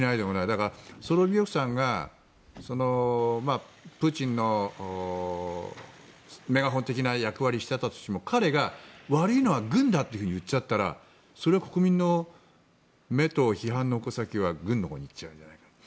だから、ソロビヨフさんがプーチンのメガホン的な役割をしていたとしても彼が悪いのは軍だと言っちゃったらそれは国民の目と批判の矛先は軍のほうに行くのではと。